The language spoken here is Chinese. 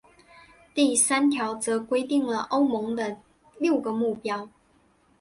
第三条则规定了欧盟的六个目标。